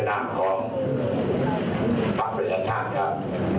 ในหน้าของภาพประชาชน์ครับ